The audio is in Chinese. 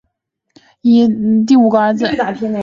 以萨迦是雅各和他第一任妻子利亚的第五个儿子。